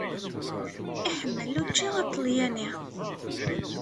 Iḥemmel učči aṭalyani.